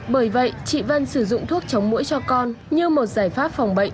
bởi vậy chị vân sử dụng thuốc chống mũi cho con như một giải pháp phòng bệnh